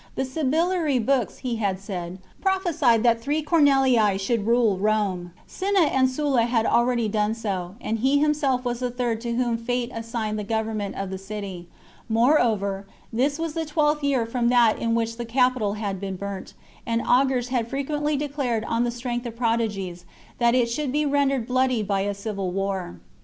" The Sibylline books," he had said, " prophesied that three Cornelii should rule Rome ; Cinna and Sulla had already done so, and he himself was the third to whom fate assigned the government of the city ; moreover, this was the twentieth year from that in which the Capitol had been burnt, and augurs had frequently declared on the strength of prodigies that it should be rendered bloody by a civil war."